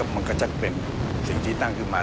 มันก็จะเป็นสิ่งที่ตั้งขึ้นมา